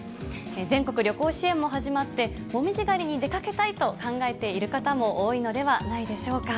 全国旅行支援も始まって、紅葉狩りに出かけたいと考えている方も多いのではないでしょうか。